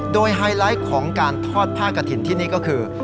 โดยไฮไลท์ของการทอดผ้ากระถิ่นที่นี่ก็คือ